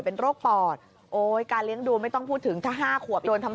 เป็นโรคปอดโอ้ยการเลี้ยงดูไม่ต้องพูดถึงถ้า๕ขวบโดนทำ